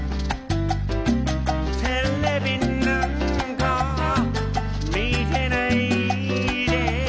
「ＴＶなんか見てないで」